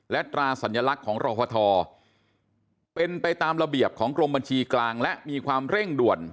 และตราสัญลักษณ์ของรอฟทเป็นไปตามระเบียบของกรมบัญชีกลางและมีความเร่งด่วน